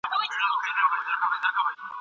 د وچې مېوې سوداګري د کندهار پر کلتور څه اغېز لري؟